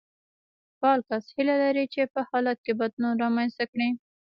فعال کس هيله لري چې په حالت کې بدلون رامنځته کړي.